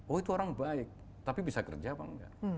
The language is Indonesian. oh itu orang baik tapi bisa kerja apa enggak